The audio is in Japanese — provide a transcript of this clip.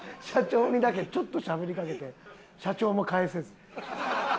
社長にだけちょっとしゃべりかけて社長も返せず。